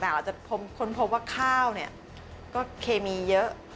เราจะค้นพบว่าข้าวก็เคมีเยอะ